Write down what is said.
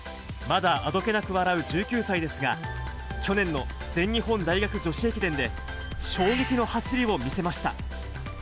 まだあどけなく笑う１９歳ですが、去年の全日本大学女子駅伝で、衝撃の走りを見せました。